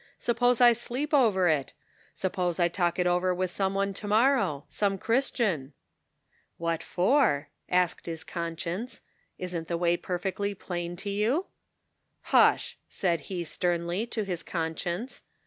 Suppose I sleep over it? Suppose I talk it over with some one to morrow ? Some Christian ?"" What for ?" asked his conscience. " Isn't the way perfectly plain to you ?"" Hush !" said he sternly, to his conscience.